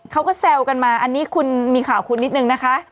เขาก็แซวกันมาอันนี้คุณมีข่าวคุณนิดนึงนะคะ